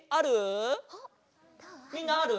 みんなある？